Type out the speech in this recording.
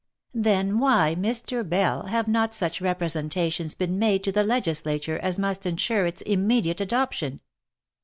" Then why, Mr. Bell, have not such representations been made to the legislature as must ensure its immediate adoption?"